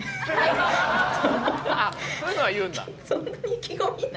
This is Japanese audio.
「あっそういうのは言うんだ」